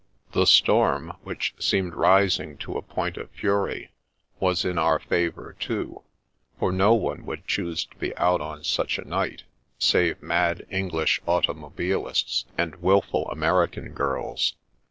The storm (which seemed rising to a point of fury) was in our favour, too, for no one would choose to be out on such a night, save mad English automobilists and wilful American girls.